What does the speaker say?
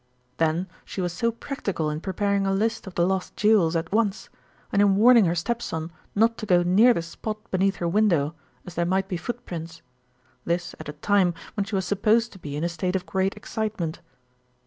"Then she was so practical in preparing a list of the lost jewels at once, and in warning her stepson not to go near the spot beneath her window, as there might be footprints; this at a time when she was supposed to be in a state of great excitement."